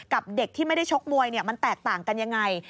กับเด็กที่ไม่ได้ชกมวยมันแตกต่างกันยังไง